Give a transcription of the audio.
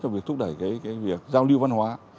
trong việc thúc đẩy cái việc giao lưu văn hóa